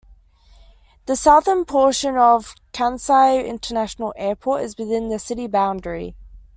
The southern portion of Kansai International Airport is within the city boundary.